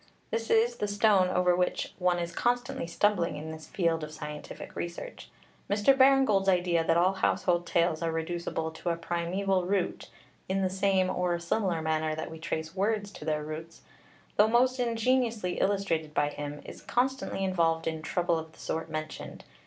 This is the stone over which one is constantly stumbling in this field of scientific research. Mr. Baring Gould's idea that all household tales are reducible to a primeval root (in the same or a similar manner that we trace words to their roots), though most ingeniously illustrated by him, is constantly involved in trouble of the sort mentioned.